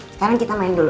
sekarang kita main dulu